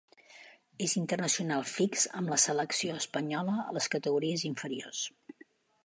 És internacional fix amb la selecció espanyola a les categories inferiors.